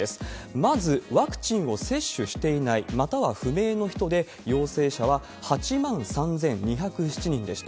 まず、ワクチンを接種していない、または不明の人で、陽性者は８万３２０７人でした。